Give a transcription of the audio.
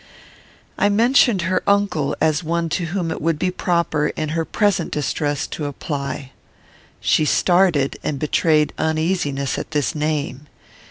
I mentioned her uncle as one to whom it would be proper, in her present distress, to apply. She started and betrayed uneasiness at this name.